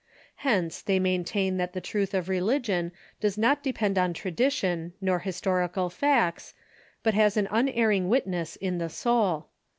Hence they maintain that the truth of religion does not depend on tradition, nor histor ical facts, but has an unerring witness in the soul.